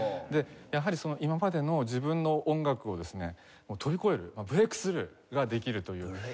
でやはりその今までの自分の音楽をですね飛び越えるブレークスルーができるという。